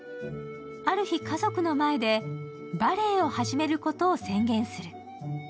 ある日、家族の前でバレエを始めることを宣言する。